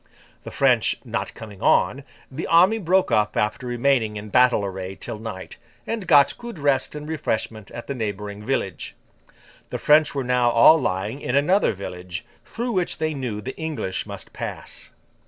The French not coming on, the army broke up after remaining in battle array till night, and got good rest and refreshment at a neighbouring village. The French were now all lying in another village, through which they knew the English must pass.